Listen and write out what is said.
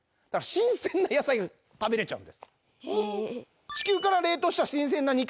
新鮮な野菜が食べれちゃうんです。